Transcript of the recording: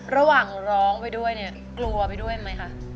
ระหว่างร้องไปด้วยเนี่ยกลัวไปด้วยไหมคะ